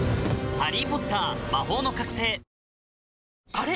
あれ？